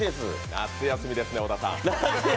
夏休みですね、小田さん。